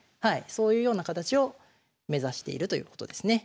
そういうような形を目指しているということですね。